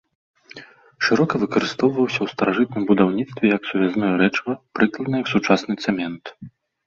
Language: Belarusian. Шырока выкарыстоўваўся ў старажытным будаўніцтве як сувязное рэчыва, прыкладна як сучасны цэмент.